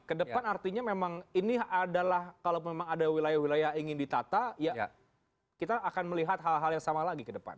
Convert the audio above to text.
kedepan artinya memang ini adalah kalau memang ada wilayah wilayah ingin ditata ya kita akan melihat hal hal yang sama lagi ke depan